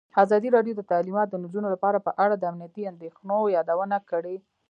ازادي راډیو د تعلیمات د نجونو لپاره په اړه د امنیتي اندېښنو یادونه کړې.